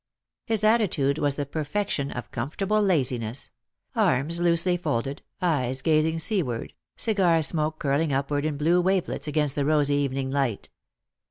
His attitude was the perfection of comfortable laziness ; arms loosely folded, eyes gazing seaward, cigar smoke curling upward in blue wavelets against the rosy evening light.